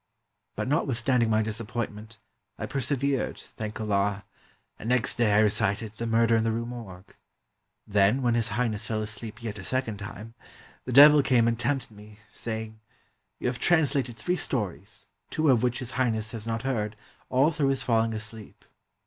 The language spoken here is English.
But notwithstanding my disappointment, I persevered, thank Allah, and next day I recited 'The Murder in the Rue Morgue.' Then, when His Highness fell asleep yet a second time, the~ Devil came and tempted me, saying, 398 POE'S TALES AT THE PERSIAN COURT 'You have translated three stories, two of which His Highness has not heard, all through his falling asleep.